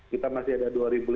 kita masih ada dua lima ratus